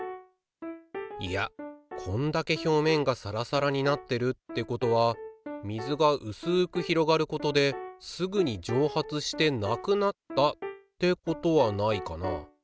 いやこんだけ表面がサラサラになってるってことは水がうすく広がることですぐに蒸発してなくなったってことはないかな？